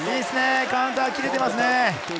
カウンター切れていますね。